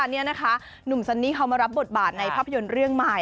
นี่นะคะหนุ่มซันนี่เขามารับบทบาทในภาพยนตร์เรื่องใหม่